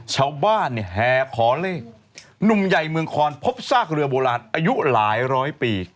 ชาวบ้านเนี่ยแห่ขอเลขหนุ่มใหญ่เมืองคอนพบซากเรือโบราณอายุหลายร้อยปี